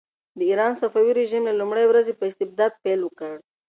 د ایران صفوي رژیم له لومړۍ ورځې په استبداد پیل وکړ.